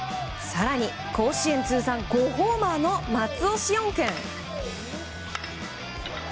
更に、甲子園通算５ホーマーの松尾汐恩君。